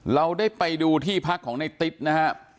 เราได้ไปดูที่พักของในติ๊ดนะครับ